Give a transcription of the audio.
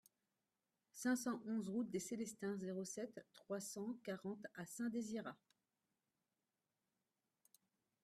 cinq cent onze route des Célestins, zéro sept, trois cent quarante à Saint-Désirat